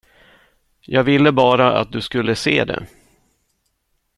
Jag ville bara att du skulle se det.